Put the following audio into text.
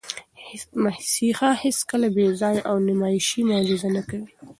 مسیحا هیڅکله بېځایه او نمایشي معجزه نه کوي.